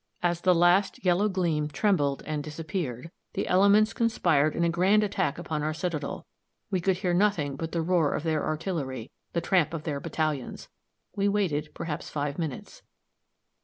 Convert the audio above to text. As the last yellow gleam trembled and disappeared, the elements conspired in a grand attack upon our citadel; we could hear nothing but the roar of their artillery the tramp of their battalions. We waited perhaps five minutes.